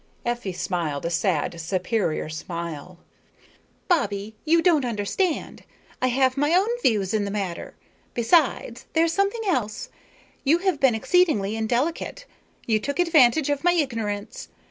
Effie smiled a sad, superior smile. "Bobbie, you don't understand. I have my own views in the matter. Besides, there's something else. You have been exceedingly indelicate. You took advantage of my ignorance.